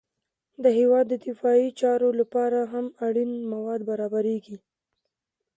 د هېواد د دفاعي چارو لپاره هم اړین مواد برابریږي